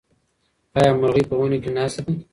ایا مرغۍ په ونې کې ناستې دي؟